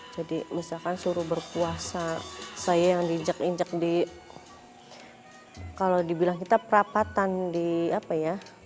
jadi misalkan suruh berpuasa saya yang di injak injak di kalau dibilang kita perapatan di apa ya